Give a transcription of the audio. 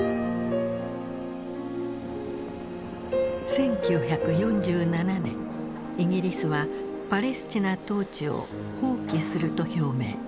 １９４７年イギリスはパレスチナ統治を放棄すると表明。